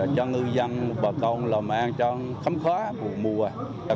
cho ngư dân bà con làm an cho khám khóa mùa mùa